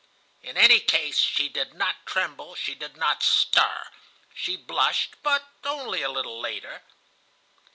In any case, she did not tremble, she did not stir. She blushed, but only a little later.